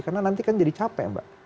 karena nanti kan jadi capek mbak